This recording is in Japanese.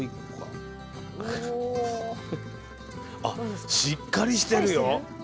あしっかりしてるよ。